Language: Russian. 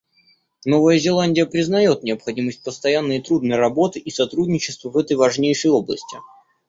Новая Зеландия признает необходимость постоянной и трудной работы и сотрудничества в этой важнейшей области.